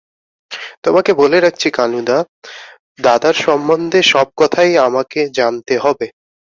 আমি তোমাকে বলে রাখছি কালুদা, দাদার সম্বন্ধে সব কথাই আমাকে জানতে হবে।